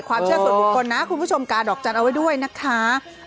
ความเชื่อส่วนบุคคลนะคุณผู้ชมกาดอกจันทร์เอาไว้ด้วยนะคะ